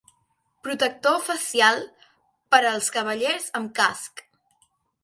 Protector facial per als cavallers amb casc.